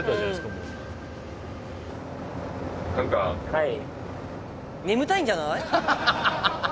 はい